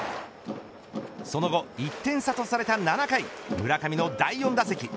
その後、１点差とされた７回村上の第４打席。